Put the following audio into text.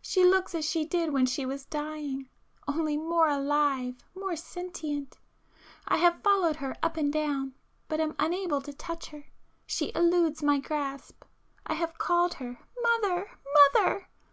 She looks as she did when she was dying,—only more alive, more sentient. I have followed her up and down, but am unable to touch her,—she eludes my grasp. I have called her 'Mother! Mother!